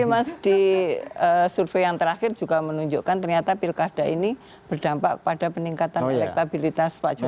ini mas di survei yang terakhir juga menunjukkan ternyata pilkada ini berdampak pada peningkatan elektabilitas pak jokowi